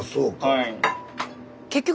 はい。